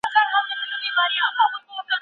دا سفر به ډېر ژر پای ته ورسېږي.